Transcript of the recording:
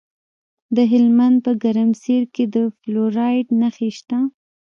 د هلمند په ګرمسیر کې د فلورایټ نښې شته.